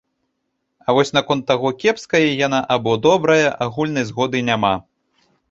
А вось наконт таго, кепская яна або добрая, агульнай згоды няма.